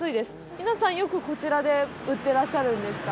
皆さん、よくこちらで売ってらっしゃるんですか。